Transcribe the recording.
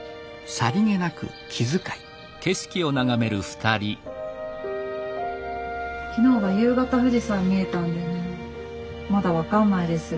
さりげなく気遣い昨日は夕方富士山見えたんでまだ分からないですよ